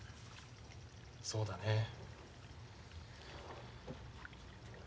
そうだね。